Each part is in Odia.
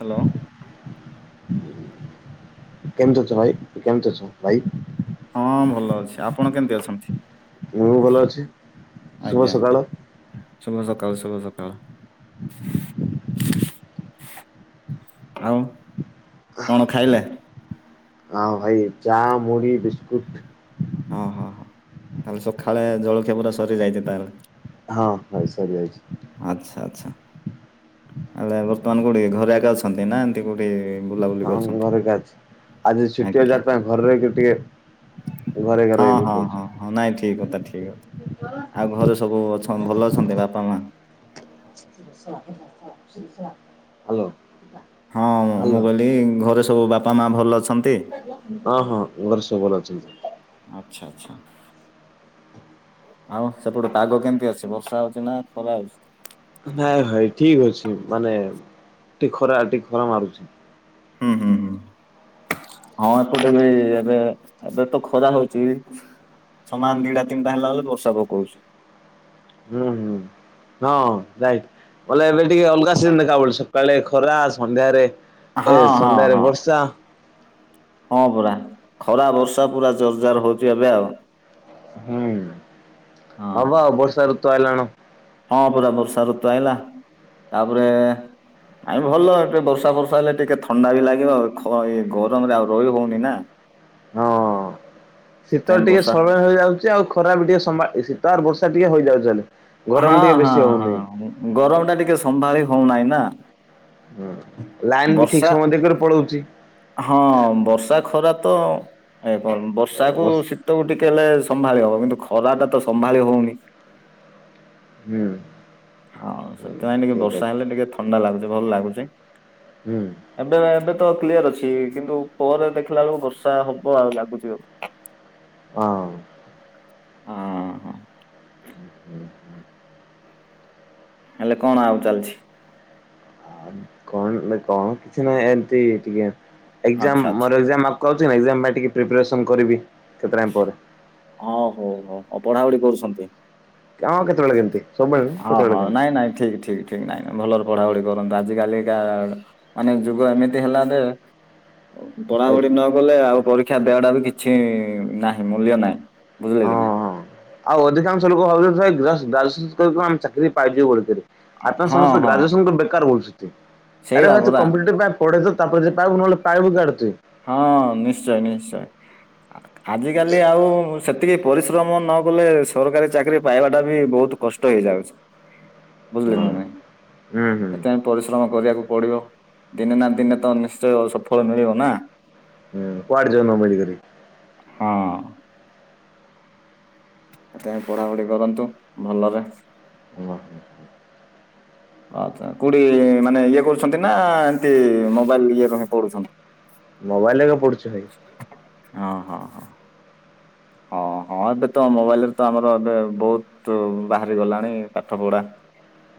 ହ୍ୟାଲୋ। କେମିତି ଅଛ ଭାଇ, କେମିତି ଅଛ ଭାଇ? ହଁ ଭଲ ଅଛି। ଆପଣ କେମିତି ଅଛନ୍ତି? ମୁଁ ବି ଭଲ ଅଛି। ଶୁଭ ଆଜ୍ଞା ସକାଳ ଆଜ୍ଞା। ସବୁ ସ ସକାଳ ଶୁଭ ସକାଳ। ଆଉ କଣ ଖାଇଲେ? ହଁ ଭାଇ ଚା, ମୁଢୀ, ବିସ୍କୁଟ। ଓହ ହ ତାହେଲେ ସକାଳେ ଜଳଖିଆ ପୁରା ସରି ଯାଇଛି ତାହେଲେ। ହଁ ଭାଇ ସରିଜାଇଛି। ଆଚ୍ଛା ଆଚ୍ଛା ହେଲେ ବର୍ତ୍ତମାନ କୋଉଠି ଘରେ ଆଗେ ଅଛନ୍ତି ନା ଏମତି କୋଉଠି? ବୁଲାବୁଲି ହଁଁ କରୁଛନ୍ତି? ଘର କି ଅଛି। ଆଜି ଛୁଟି ଆଜ୍ଞା ହଜାର ପାଇଁ ଘରେରେ ଟିକେ ଘରେ ଏକା ହଁ ରହିବି ହଁ କହୁଛି ହଁ ହଁ ନାଇଁ ଠିକ କଥା, ଠିକ କଥା। ଆଉ ଘରେ ସବୁ ଅ ଭଲ ଅଛନ୍ତି ବାପା ମା? [unintelligible] ହେଲୋ। ହଁ ମୁଁ କହିଲି ଘରେ ସବୁ ବାପା ମା ଭଲ ଅଛନ୍ତି? ହଁ ହଁ ଘରେ ସବୁ ଭଲ ଅଛନ୍ତି। ଆଚ୍ଛା ଆଛା। ଆଉ ସେପଟେ ପାଗ କେମିତି ଅଛି ବର୍ଷା ହଉଛି ନା ଖରା ହଉଛି? ଭାଇ ଭାଇ ଠିକ ଅଛି ମାନେ ଟିକେ ଖରା ଟିକେ ଖରା ମାରୁଛି। ହୁଁ ହୁଁ ହୁଁ। ହଁ ତ ଦେବେ ଏବେ ଏବେ ତ ଖରା ହଉଛି। ସମାନ ଦିଟା ତିନିଟା ହେଲା ବଲେ ବର୍ଷା ପକଉଛି। ହୁଁ ହୁଁ। ହଁ ରାଇଟ୍ ବଲେ ଏବେ ଟିକେ ଅଲଗା ସିଜିନ ଦେଖା ପ ସକାଳେ ଖରା ସନ୍ଧ୍ୟାରେ ଏ ହଁ ହଁ ସନ୍ଧ୍ୟାରେ ହଁ ବର୍ଷା। ହଁ ପରା ଖରା ବର୍ଷା ପୁରା ଜୋରଜାର ହୋଉଚି ଏବେ ଆଉ। ହୁଁ ହଁ ପା ଅବସାର ତ ଆଇଲାଣ। ହଁ ପରା ବର୍ଷା ଋତୁ ଆଇଲା ତାପରେ ଆାଇ ଭଲ ଏ ବର୍ଷା ବର୍ଷା ହେଲେ ଟିକେ ଥଣ୍ଡା ବି ଲାଗିବ ଖ ଏ ଗରମରେ ଆଉ ରହି ହେଉନି ନା। ହଁ ଶୀତ ସେଥିପାଇଁ ଟିକେ ବର୍ଷା ସରଳ ହେଇଯାଉଚି ଆଉ ଖରା ବି ଟିକେ ସମ୍ଭା ତାର ବର୍ଷା ଟିକେ ହୋଇଯାଉଚି ହେଲେ। ହଁ ଗରମ ଟିକେ ହଁ ବେଶୀ ହଉନି ହଁ ଗରମ ଟା ଟିକେ ସମ୍ଭାଳି ହଉନାହିଁ ନା। ହୁଁ‌। ବର୍ଷା ହଁ ବର୍ଷା ଖରା ତ ଏ କଣ ବର୍ଷା କୁ ବର୍ଷ ଶୀତକୁ ଟିକେ ହେଲେ ସ ସମ୍ଭାଳି ହବ କିନ୍ତୁ ଖରା ଟା ତ ସମ୍ଭାଳି ହଉନି। ହୁଁ। ହଁ ସେଥିପାଇଁ ଟିକେ ଠିକ ବର୍ଷା ଅଛି ହେଲେ ଟିକେ ଥଣ୍ଡା ଲାଗୁଚି ଭଲ ଲାଗୁଚି। ହୁଁ ଏବେ ଏବେ ତ କ୍ଲିୟର ଅଛି କିନ୍ତୁ ପରେ ଦେଖିଲା ବେଳକୁ ବର୍ଷା ହବ ଆଉ ଲାଗୁଚି ଆଉ। ହଁ। ହଁ। ହୁଁ ହୁଁ। ହେଲେ କଣ ଆଉ ଚାଲିଛି। କଣ କଣ କିଛି ନାହିଁ ଏମତି ଟିକେ ଏକଜାମ୍ ଆଚ୍ଛା ଆଚ୍ଛା। ମୋର ଏକ ଜାମ୍ ଆପ କୋହୁଚି ନାଇଁ ଏଗଜାମ୍ ପାଇଁ ଟିକେ ପ୍ରିପାରେସନ୍ କରିବି। କେତେ ଟାଇମ ପରେ। ଓହୋ ହ ହ ଆଉ ପଢାପଢି କରୁଛନ୍ତି। କାମ କେତେବେଳେ କେମତି? ଅ ହ ହଁ ନାଇଁ ନାଇଁ ଠିକ ଠିକ ଠିକ ନାଇଁ। ଭଲରେ ପଢା ପଢି କରନ୍ତୁ ଆଜିକାଲିକା ମାନେ ଯୁଗ ଏମିତି ହେଲାଯେ ଉତ୍ତରା ଗୋଟେ ନ କଲେ ଆଉ ପରି କ୍ଷା ବେୟଡ ଆଉ ବି କିଛି ନାହିଁ ମୂଲ୍ୟ ନାହିଁ ବୁଝିଲେ ହଁ କି ନାଇଁ। ହଁ ଆଉ ଅଧିକାଂଶ ଲୋକ ଭାବୁଚନ୍ତି [unintelligible] ଚାକିରି ପାଇଯିବୁ। [unintelligible] ଆପଣ ହଁ ସମସ୍ତେ ହଁ ଗ୍ରାଜୁଏସନ ପାଇଁ ବେକାର ବୁଲୁଛନ୍ତି ଆରେ ସେଇଟା ଭାଇ ତୁ ପରା କମ୍ପିଟେଟିପ ପାଇଁ ପଢିଲୁ ତାପରେ ଯାଇ ନହେଲେ ପାଇବୁ କୁଆଡେ ତୁ। ହଁ ନିଶ୍ଚୟେ ନିଶ୍ଚୟେ ଆ-ଆଜିକାଲି ଆଉ ସେତିକି ପରିଶ୍ରମ ନ କଲେ ସରକାରୀ ଚାକିରି ପାଇବାଟା ବି ବୋହୁତ କଷ୍ଟ ହେଇଯାଉଛି। ବୁଝିଲୁ ହୁଁ ନାୁ ନାଇଁ ହୁଁ ସେଥିପାଇଁ ପରିଶ୍ରମ କରିବାକୁ ପଢିବ ଦିନେ ନା ଦିନେ ତ ନିଶ୍ଚୟ ସଫଳ ମିଳିବ ନା। ହୁଁ କୁଆଡେ ଯିବ [unintelligible] କରି? ହଁ। ଆପଣ ପଢାପଢି କରନ୍ତୁ ଭଲରେ। ହୁଁ ହୁଁ ହୁଁ। ଆଛା କୋଉଠି ମାନେ ଇଏ କରୁଛନ୍ତି ନା ଏମତି ମୋବାଇଲ ଇଏରୁ ହିଁ ପଢୁଛନ୍ତି? ମୋବାଇଲ ଦେଖି ପଢେଚୁ ଭାଇ। ହଁ ହୋ ହୋ। ହଁ। ହଁ ଏବେ ତ ମୋବାଇଲରେ ତ ଆମର ଏବେ ବୋହୁତୁ ବାହାରି ଗଲାଣି ପାଠପଢା।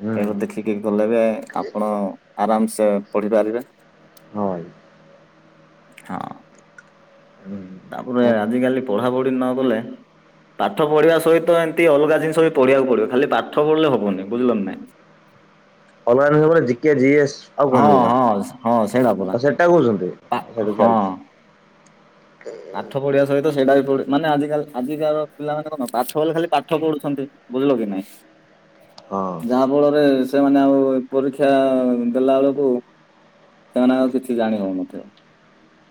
ହୁଁ ଏଣୁ ଦେଖିକି ବି ଭଲଲାଗେ ଆପଣ ଆରାମସେ ପଢିପାରିବେ। ହଁ। ହଁ। ହୁଁ। ତାପରେ ହଁ ଆଜିକାଲି ପଢାପଢି ନ କଲେ ପାଠ ପଢିବା ସହିତ ଏମତି ଅଲଗା ଜିନିଷ ବି ପଢିବାକୁ ପଡିବ ଖାଲି ପାଠ ପଢିଲେ ହବନି ବୁଝିଲନି ନାଇଁ। [unintelligible] ଅନଲାନରେ ଗୋଟେ ଜିକେ ଜିଏସ୍ ଆଉ ହଁ କଣ କିବା ହଁ ହଁ ସେଇଟା ପରା ଆଉ ସେଟା କୋହୁଛନ୍ତି ପା ସେଠା ହଁ। ଚାଲିଛି। ପାଠ ପଢିବା ସହି ତ ସେଇଟା ବି ପଡେ ମାନେ ଆଜିକାଲ୍ ଆଜିକା ପିଲାମାନେ କଣ ପାଠ ବୋଲେ ଖାଲି ପାଠ ପଢୁଛନ୍ତି ବୁଝିଲ କି ନାଇଁ। ହଁ ଯାହାଫଳରେ ସେମାନେ ଆଉ ଏ ପରୀକ୍ଷା ଦେଲାବେଳକୁ ସେମାନଙ୍କ କିଛି ଜାଣି ହୋଉନଥିବ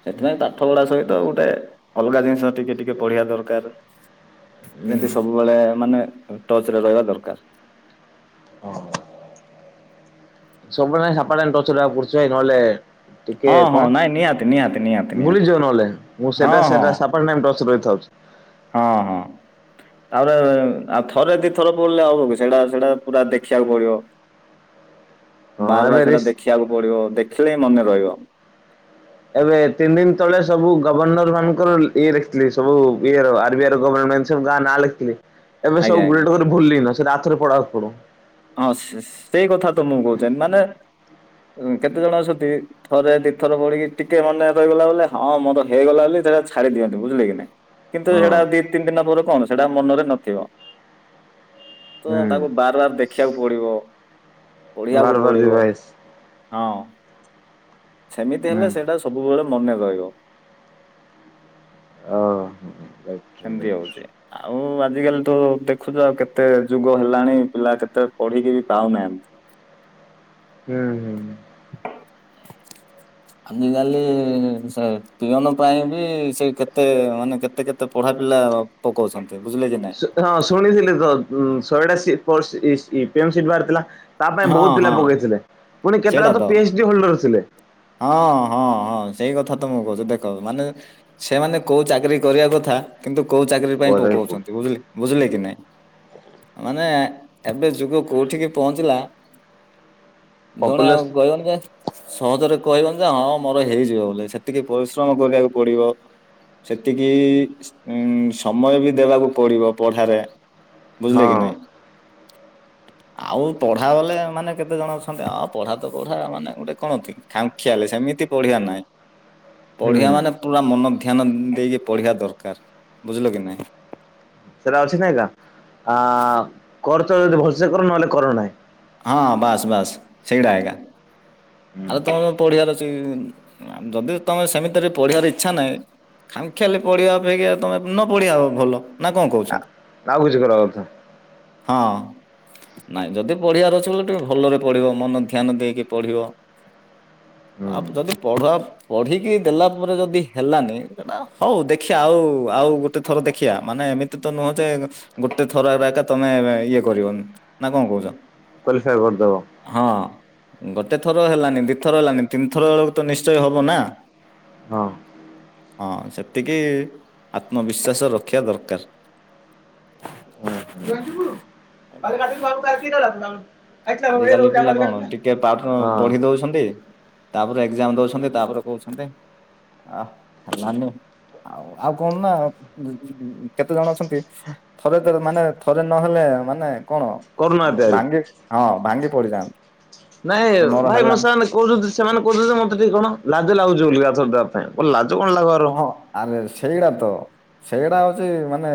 ସେଥିପାଇଁ ପାଠ ପଢା ସହିତ ଗୋ ଏ ଅଲଗା ଜିନିଷ ଟିକେ ଟିକେ ପଢିବା ଦରକାର। ହୁଁ ଯେମିତି ସବୁବେଳେ ମାନେ ଟଚ ରେ ରହିବା ଦରକାର। ହଁ। ସବୁ ନାହିଁ ସାପା [unintelligible] ନହେଲେ ଟିକେ ହଁ ହଁ କଣ ନାଇଁ ନିହାତି ନିହାତି ନିହାତି ନିହାତି ଭୁଲିଯିବ ନହେଲେ ମୁଁ ହଁ ସେଟା ହଁ ସେଟା ସାପାଟ ନେମ୍ ଟଚ ରହିଥାଉ। ହଁ ହଁ। ତାପରେ ଆଉ ଥରେ ଦିଇଥର ପିଲେ ଆଉ ସେଟା ସେଟା ପୁରା ଦେଖିବାକୁ ପଡିବ। ହଁ ଏବେ ବାରବାର ସେଟା ରିସ୍ ଦେଖିବାକୁ ପଡିବ ଦେଖିଲେ ହିଁ ମନେ ରହିବ। ଏବେ ତିନି ଦିନ ତଳେ ସବୁ ଗଭର୍ଣ୍ଣର ମାନଙ୍କର ଇଏ ଲଖିଥିଲି ସବୁ ଇଏ ଆର ବି ଆଇ ର ଗଭଣ୍ଟ [unintelligible] ଗାଁ ନାଁ ଲେଖିଥିଲି ଏବେ ଆଜ୍ଞା ସବୁ ଆଜ୍ଞା। ଗୁଟେ ଭୁଲଲିି ସେ ରା ରେ ପଢାବାକୁ ପଡୁ ହଁ ସେ-ସେ କଥା ତ ମୁଁ କହୁ ମାନେ କେତେ ଜଣ ଅଛନ୍ତି ଥରେ ଦିଥର ପଡିକି ଟିକେ ମନେ ରହିଗଲା ବ ହଁ ମୋର ହେଇଗଲା ବୋଲି ସେଟ ଛାଡ଼ି ଦିଅନ୍ତି ବୁଝିଲେ କି ନାଇଁ? କିନ୍ତୁ ହଁ ସେଇଟା ଦି ତିନି ଦିନ ପରେ କଣ ସେଇଟା ମନରେ ନଥିବ। ତ ତାକୁ ହୁଁ। ବାରବାର ଦେଖିବାକୁ ପଡିବ। ପଢିବାକୁ ବାର ବାର ପଡିବ [unintelligible] ହଁ ସେମିତି ହେଲେ ହୁଁ ସେଇଟା ସବୁବେଳେ ମନେ ରହିବ। ଓ ସେନ୍ତିି ହଉଛି ଆଉ ଆଜିକାଲି ତ ଦେଖୁଛୁ ଆଉ କେତେ ଯୁଗ ହେଲାଣି ପିଲା କେତେ ପଢିକି ବି ପାଉନାହିଁ ହୁଁ ହୁଁ। ଆଜିକାଲି ସେ ଟିଅନ ପାଇଁ ବି ସେ କେତେ ମାନେ କେତେ କେତେ ପଢ଼ାପିଲା ଅ ପକଉଛନ୍ତି। ବୁଝିଲେ କି ନାଇଁ ହଁ ଶୁଣିଥିଲି ତ ଶହେଟା ସି [unintelligible] ବାହାରିଥିଲା। ତା ପାଇଁ ହଁ ବହୁତ ପିଲା ହଁ ପକେଇ ଥିଲେ ପୁଣି କେତେଟା ତ ପି ଏଚ ଡି ହୋଲଡର ଥିଲେ। ହଁ ହଁ ହଁ ସେଇ କଥା ତ ମୁଁ କହୁଛି ଦେଖ ମାନେ ସେମାନେ କୋଉ ଚାକିରୀ କରିବା କଥା କିନ୍ତୁ କୋଉ ଚାକିରି ପାଇଁ ପକାଉଛନ୍ତି ବୁଝିଲେ ବୁଝିଲେ କି ନାଇଁ? ମାନେ ଏବେ ଯୁଗ କୋଉଠିକି ପହଞ୍ଚିଲା ଜଣେ ଆଉ ପପୁଲାର କହିବନି ଯେ ସହଜରେ କହିବନି ଯେ ହଁ ମୋର ହେଇଯିବ ବୋଲି ସେତିକି ପରିଶ୍ରମ କରିବାକୁ ପଡିବ। ସେତିକି ଉଁ ସମୟ ବି ଦେବାକୁ ପଡିବ ପଢାରେ ବୁଝିଲେ କି ହଁ ନାଇଁ ଆଉ ପଢା ବାଲେ ମାନେ କେତେ ଜଣ ଅଛ ନେ ଆ ପଢା ତ ପଢା ମାନେ ଗୋଟେ କଣତି ଖାମଖିଆଲ ସେମିତି ପଢିବା ନାଇଁ ହୁଁ ପଢିବା ମାନେ ପୁରା ମନ ଧ୍ୟାନ ଦେଇକି ପଢିବା ଦରକାର ବୁଝିଲ କି ନାଇଁ ସେଟା କରଚ ଯଦି ଭଲସେ କର ନହେଲେ କର ନାହିଁ। ହଁ ବାସ୍ ବାସ୍ ସେଇଟା ଏକା ଆରେ ତମେ ପଢିବାର ଅଛି ଯଦି ତମେ ସେମିତିରେ ପଢିବାର ଇଚ୍ଛା ନାହିଁ ଖାମଖିଆଲି ପଢିବା ଅପେକ୍ଷା ତମେ ନ ପଢିବା ଆଉ ଭଲ ନା କଣ କହୁଛନ୍ତି? ନା ଆଉ କିଛି କରିବା କଥା? ହଁ। ନାଇଁ ଯଦି ପଢିବାର ଅଛି ବୋଲି ଟିକେ ଭଲରେ ପଢିବ ମନ ଧ୍ୟାନ ଦେଇକି ପଢିବ। ହୁଁ ଆଉ ଯଦି ପଢ ପଢିକି ଦେଲା ପରେ ଯଦି ହେଲାନି ସେଟା ହଉ ଦେଖିବା ଆଉ ଆଉ ଗୋଟେ ଥର ଦେଖିବା ମାନେ ଏମିତି ତ ନୁହଁ ଯେ ଗୋଟେ ଥର ଏକ ତମେ ଇଏ କରିବନି। ନା କଣ କହୁଛ? ହଁ [unintelligible] ଗୋଟେ ଥର ହେଲାନି ଦିଥର ହେଲାନି ତିନିଥର ବେଳକୁ ତ ନିଶ୍ଚୟ ହବ ନା। ହଁ ହଁ ସେତିକି ଆତ୍ମବିସ୍ୱାସ ରଖିବା ଦରକାର। [unintelligible] [inaudible] ଆଜ କାଲି ପିଲା କଣ ଟିକେ ପାଠ ହଁ ପଢି ଦଉଛନ୍ତି ତାପରେ ଏଗଜାମ ଦଉଛନ୍ତି ତାପରେ କହୁଛନ୍ତି ଆଉ ଆଉ କଣ ନା କେତେ ଜଣ ଅଛନ୍ତି ଥରେ ମାନେ ଥରେ ନହେଲେ ମାନେ କଣ କରୁନାହାନ୍ତି ଆହୁରି ଭାଙ୍ଗି ହଁ ଭାଙ୍ଗି ପଡିଯାଆନ୍ତି। ନାଇଁ ଯେ ମୋର ଭାଇ ହେଲାନି ମୁଁ ସେମାନେ କହୁଛନ୍ତି ସେମାନେ କହୁଛନ୍ତି ମତେ ଟିକେ କଣ ଲାଜ ଲାଗୁଛି ବୋଲି ଗଛ ଲାଜ କଣ ଲାଗ ର ଓହଁ ଆରେ ସେଇଗଡା ତ ସେଇଟା ହଉଛି ମାନେ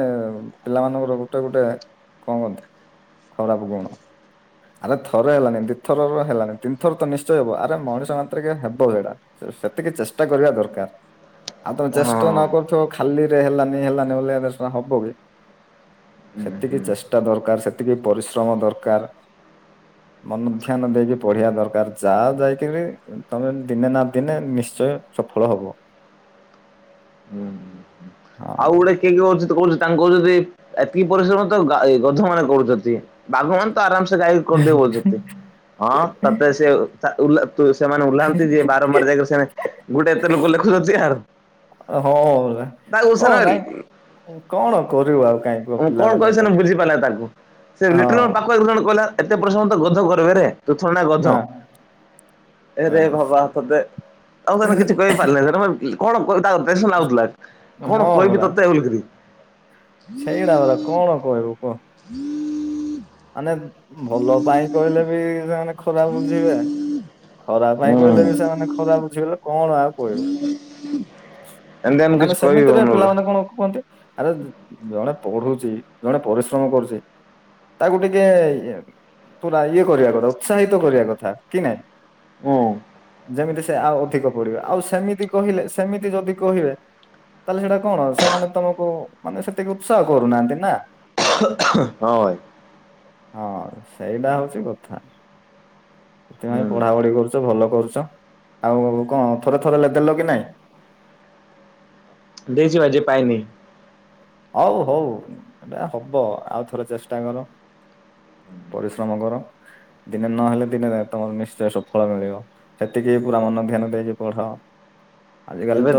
ପିଲାମାନଙ୍କର ଗୋଟେ ଗୋଟେ କଣ କହନ୍ତି ଖରାପ ଗୁଣ। ଆରେ ଥରେ ହେଲାନି ଦିଥରର ହେଲାନି ତିନିଥରତ ନିଶ୍ଚୟ ହବ ଆରେ ମଣିଷ ମାତ୍ର କେ ହେବ ସେଇଡା। ସେତିକି ଚେଷ୍ଟା କରିବା ଦରକାର। ଆଉ ତମେ ହଁ ଚେଷ୍ଟାନ କରୁଥିବ ଖାଲି ରେ ହେଲାନି ହେଲାନି ବ ହବ କି? ହୁଁ ସେତିକି ହୁଁ। ଚେଷ୍ଟା ଦରକାର ସେତିକି ପରିଶ୍ରମ ଦରକାର। ମନ ଧ୍ୟାନ ଦେଇକି ପଢିବା ଦରକାର ଯାହା ଯାଇକିରି ତମେ ଦିନେ ନା ଦିନେ ନିଶ୍ଚୟ ସଫଳ ହବ। ହୁଁ। ଆଉ ହଁ ଗୋଟେ କିଏ କିଏ ଅଛି ତ କହୁଚି ତାଙ୍କୁ କହୁଛନ୍ତି ଏତିକି ପରିଶ୍ରମ ତ ଗା ଏଇ ଗଧ ମାନେ କରୁଚନ୍ତି ବାଘ ମାନ ତ ଆରାମସେ ସେ ଗାଈ କରିଦବ ଯେତେ ହଁ ତତେ ସେ ସା ଓ ଓଲା ସେମାନେ ଓହ୍ଲାହାନ୍ତି ଯିଏ ବାରମ୍ବାର ଯାଇ କରି ସେଣେ ଗୋଟେ ଏତେ ଲୋକ ଲ [unintelligible] ହଁ କଣ ନାଇଁ କଣ କରିବୁ ଆଉ। କାହିଁ କୁହ ମୁଁ କଣ କହିଲି ପିଲାମାନଙ୍କୁ ସେଦିନ ବୁଝି ପାରିଲା ତାକୁ ସେ ଆଉ ଲିଟୁ ନନା ପାଖ ଆଇ ଲିଟୁ ନନା କହିଲା ଏତେ ପ୍ରଶ୍ନ ତ ଗଧ କରିପାରେ ତୁ ଥୋଡ଼ିନ ହଁ ଗଧ। ହଁ ଅ, ଏରେ ଭବା ତତେ ଆଉ ସେମାନେ କିଛି କହିପାରିଲେ ସେଟ ମ କି କଣ କହ ତା ଟେନସନ ଲାଗୁଥିଲା କଣ ହଁ କହିବି ପରା ତତେ ବୋଲିିକିରି। ସେଇଟା ବଲା କଣ କହିବୁ କହ। ମାନେ ଭଲ ପାଇଁ କହିଲେ ବି ସେମାନେ ଖରାପ ବୁଝିବେ ଖରାପ ପାଇଁ କହିଲେ ବି ହୁଁ। ସେମାନେ ଖରାପ ବୁଝିଗଲେ କଣ ଆଉ କହିବୁ ଏମିତି ଆମେ ମାନେ କିଛି କହିବି ସେମିତିରେ ଅନୁରା। ପିଲାମାନେ କଣ କୁହନ୍ତି ଆରେ ଜଣେ ପଢୁଚି ଜଣେ ପରିଶ୍ରମ କରୁଚି ତାକୁ ଟିକେ ଇଏ ପୁରା ଇଏ କରିବା କଥା ଉତ୍ସାହିତ କରିବା କଥା କି ନାଇଁ। ହୁଁ। ସେମିତି ସେ ଆଉ ଅଧିକ ପଡିବ ଆଉ ସେମିତି କହିଲେ ସେମିତି ଯଦି କହିବେ ତାହେଲେ ସେଇଟା କଣ ସେମାନେ ତମକୁ ମାନେ ସେତିକି ଉତ୍ସାହ କରୁନାହାନ୍ତି ନା। ହଁ ଭାଇ। ହଁ ସେଇଟା ହଉଚି କଥା। ସେଥିପାଇଁ ହୁଁ। ପଢାପଢି କରୁଚ ଭଲ କରୁଚ। ଆଉ କଣ ଥରେ ଥରେ ଲେ ଦେଲ କି ନାଇଁ? ଦେଇଚି ବାଜିଏ ପାଇନି। ଅଉ ହୋଉ ଏଇଟା ହବ ଆଉ ଥରେ ଚେଷ୍ଟା କର। ପରିଶ୍ରମ କର। ଦିନେ ନହେଲେ ଦିନେ ତମର ନିଶ୍ଚୟ ସଫଳ ମିଳିବ ସେତିକି ପୁରା ମନ ଧ୍ୟାନ ଦେଇକି ପଢ। ଆଜକାଲି ତ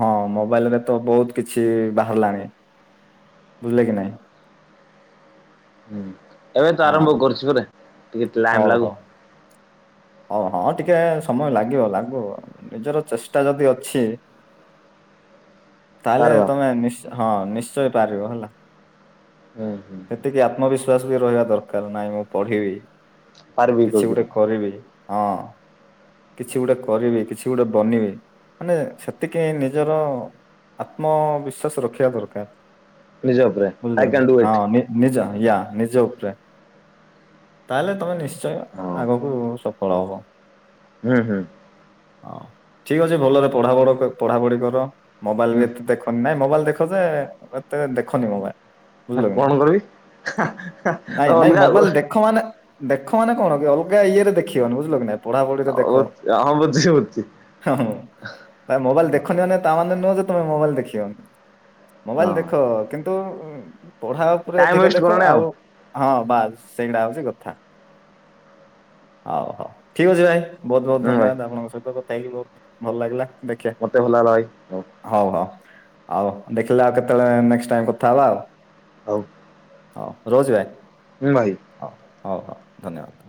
ହଁ ମୋବାଇଲ ରେ ତ ବହୁତ କିଛି ବା ବାହାରିଲାଣି, ବୁଝିଲେ କି ନାଇଁ। ହୁଁ ଏବେ ତ ହଁ ଆରମ୍ଭ କରୁଛି ପ ଟିକେ ହଉ ଟାଇମ ଲାଗୁ। ହଉ। ହଉ ହଁ ଟିକେ ସମୟ ଲାଗିବ, ଲାଗିବ ନିଜର ଚେଷ୍ଟା ଯଦି ଅଛି ତାହେଲେ ପାରବା ତମେ ନି ହଁ ନିଶ୍ଚୟ ପାରିବ ହେଲା। ହୁଁ ହୁଁ ସେତିକି ଆତ୍ମବିଶ୍ଵାସ ବି ରହିବା ଦରକାର, ନାଇ ମୁଁ ପଢିବି। ପାରିବି କିଛି ଗୋଟେ କହିକିରି କରିବି ହଁ। କିଛି ଗୋଟେ କରିବି କିଛି ଗୋଟେ ବନିବି ମାନେ ସେତିକି ନିଜର ଆତ୍ମବିଶ୍ବାସ ରଖିବା ଦରକାର, ନିଜ ଉପରେ ବୁଝିଲ ଆଇ କ୍ୟାନ୍ ଡୁ ହଁ ଇଟ୍। ନିଜ ୟା ନିଜ ଉପରେ ତାହେଲେ ତମେ ନିଶ୍ଚୟ ହଁ ଆଗକୁ ସ ହଳହୋ ହୁଁ ହୁଁ। ହଁ। ଠିକ ଅଛି ଭଲରେ ପଢାଢ ପଢାପଢି କର, ମୋବାଇଲ ବି ଏତେ ହୁଁ ଦେଖନି ନାଇଁ ମୋବାଇଲ ଦେଖ ଯେ ତେ ଦେଖନି ମୋବାଇଲ ବୁଝିଲ କି କଣ ନାଇଁ କରିବି ତ ନାଇଁ ନାଇଁ ଅଲଗା ମୋବାଇଲ ଦେଖ ମାନେ ଦେଖ ମାନେ କଣ କି ଅଲଗା ଇଏରେ ଦେଖିବନି ବୁଝିଲ କିି ନାହିଁ। ପଢ଼ାପଢ଼ିରେ ଦେଖ ହଁ ବୁଝି ବୁଝି। ହଁ ମୋବାଇଲ ଦେଖନିାନେ ତା ମାନେ ନୁହଁ ଯେ ତମେ ମୋବାଇଲ ଦେଖିବନି। ମୋବାଇଲ ହଁ। ଦେଖ, କିନ୍ତୁ ପଢା ଉପରେ ଟାଇମ୍ ଅଧିକା ୱେଷ୍ଟ ଦେଖ କରନି ଆଉ ହଁ ବାସ୍ ସେଇଗଡା ହଉଛି, କଥା ହଉ ହଉ ଠିକ ଅଛି ଭାଇ। ବହୁତ ବହୁତ ହୁଁ ଭାଇ। ଧନ୍ୟବାଦ ଆପଣଙ୍କ ସହିତ କଥା ହେଇକି ବହୁତ ଭଲ ଲାଗିଲା। ଦେଖିବା ମତେ ଭଲ ହେଲା ଭାଇ। ହଉ ହଉ। ଆଉ ଦେଖିଲେ ଆଉ କେତେବେଳେ, ନେକ୍ସ୍ଟ ଟାଇମ୍ କଥା ହେବା ଆଉ। ହଉ ହଉ ରହୁଚି ଭାଇ ହୁଁ ଭାଇ। ହଉ ହଉ ହଉ ଧନ୍ୟବାଦ।